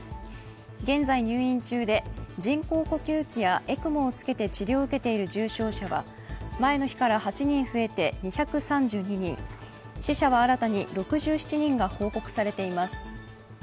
現在、入院中で人工呼吸器やＥＣＭＯをつけて治療を受けている重症者は前の日から８人増えて２３２人、死者は新たに６７人が報告されています。